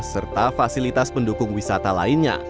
serta fasilitas pendukung wisata lainnya